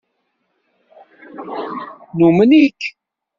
Numen-ik.